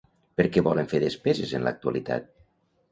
Per què volen fer despeses en l'actualitat?